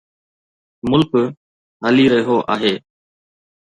ملڪ هلي رهيو آهي.